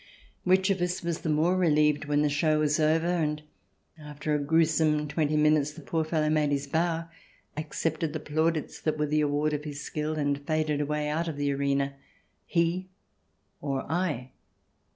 Which of us was the more relieved when the show was over, and, after a gruesome twenty minutes, the poor fellow made his bow, accepted the plaudits that were the award of his skill, and faded away out of the arena — he or I